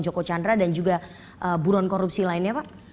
joko chandra dan juga buron korupsi lainnya pak